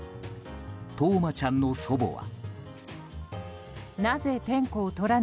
冬生ちゃんの祖母は。